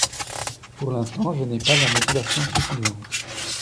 Pour l’instant, je n’ai pas la motivation suffisante.